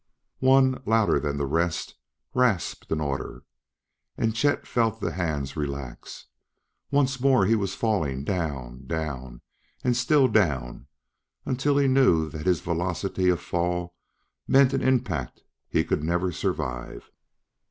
One, louder than the rest, rasped an order. And again Chet felt the hands relax; once more he was falling, down down and still down until he knew that his velocity of fall meant an impact he could never survive.